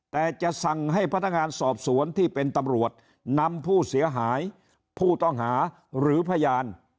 แต่จะสั่งให้พนักงานสอบสวนที่เป็นตำรวจนำผู้เสียหายผู้ต้องหาหรือพยาน